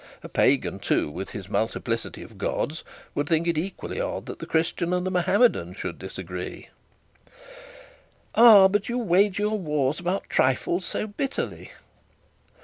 A pagan, too, with his multiplicity of gods, would think it equally odd that the Christian and the Mahometan should disagree.' 'Ah! But you wage your wars about trifles so bitterly.'